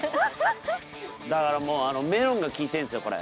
だからもうあのメロンがきいてるんですよこれ。